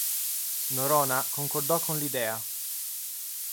Noronha concordò con l'idea.